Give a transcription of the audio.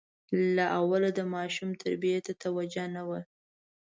له اوله د ماشوم تربیې ته توجه نه وه.